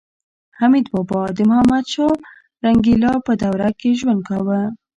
حمید بابا د محمدشاه رنګیلا په دوره کې ژوند کاوه